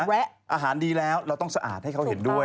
แวะอาหารดีแล้วเราต้องสะอาดให้เขาเห็นด้วย